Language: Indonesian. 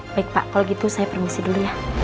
baik pak kalau gitu saya permisi dulu ya